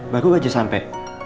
baru aja sampai